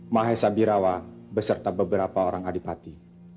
mahesa birawa beserta beberapa orang adipati